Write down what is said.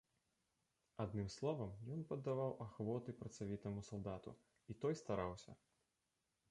Адным словам, ён паддаваў ахвоты працавітаму салдату, і той стараўся.